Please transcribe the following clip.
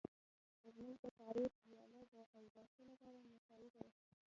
زموږ د کاریز وياله د اوداسه لپاره مساعده وه.